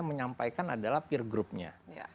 menyampaikan adalah peer group nya